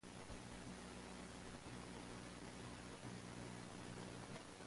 There is a nimbus about the head of the "seeming" martyr.